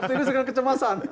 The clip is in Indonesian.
optimis dengan kecemasan